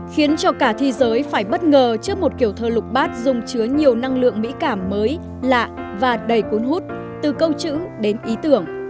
khiến cho cả thế giới phải bất ngờ trước một kiểu thơ lục bát dùng chứa nhiều năng lượng mỹ cảm mới lạ và đầy cuốn hút từ câu chữ đến ý tưởng